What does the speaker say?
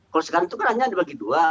kalau sekarang itu kan hanya dibagi dua